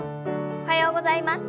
おはようございます。